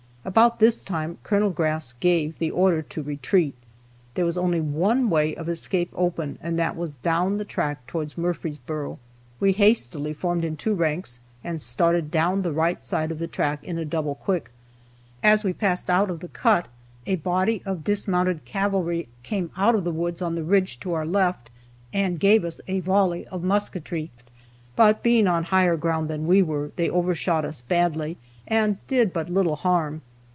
About this time Col. Grass gave the order to retreat. There was only one way of escape open, and that was down the track towards Murfreesboro. We hastily formed in two ranks, and started down the right side of the track in a double quick. As we passed out of the cut a body of dismounted cavalry came out of the woods on the ridge to our left and gave us a volley of musketry. But, being on higher ground than we were, they overshot us badly, and did but little harm.